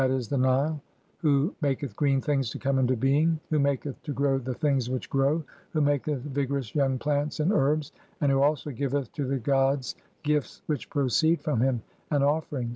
e., 'the Nile), who maketh green things to come into being, (12) 'who maketh to grow the things which grow, who maketh vi 'gorous young plants and herbs, and who also giveth to the 'gods gifts which proceed from him and offerings